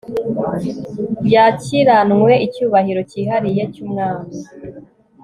yakiranwe icyubahiro cyihariye cyumwami